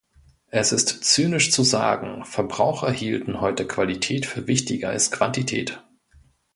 Es ist zynisch zu sagen, Verbraucher hielten heute Qualität für wichtiger als Quantität.